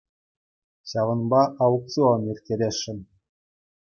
Ҫавӑнпа аукцион ирттересшӗн.